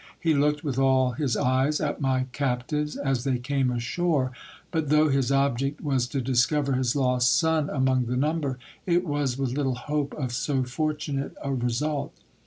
He looked with all his eyes at my captives, as they came ashore ; but though his object was to discover his lost son among the number, it was with little hope of so fortunate a result.